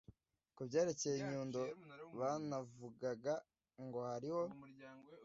ku byerekeye inyundo, banavugaga ngo hariho